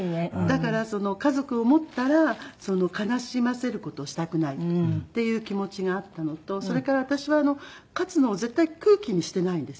だから家族を持ったら悲しませる事をしたくないっていう気持ちがあったのとそれから私は勝野を絶対空気にしてないんですね。